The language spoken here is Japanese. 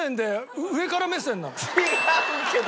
違うけど！